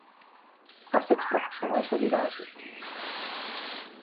A Sexta xamais o dirá así.